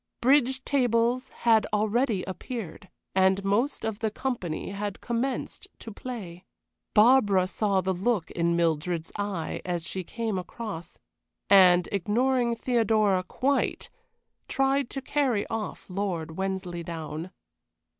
Bridge tables had already appeared, and most of the company had commenced to play. Barbara saw the look in Mildred's eye as she came across, and, ignoring Theodora quite, tried to carry off Lord Wensleydown.